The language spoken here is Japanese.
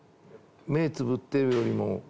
目つぶってるよりも。